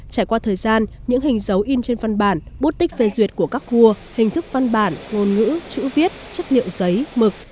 trải qua thời gian những hình dấu in trên văn bản bút tích phê duyệt của các vua hình thức văn bản ngôn ngữ chữ viết chất liệu giấy mực